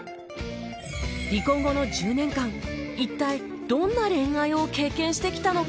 離婚後の１０年間一体どんな恋愛を経験してきたのか？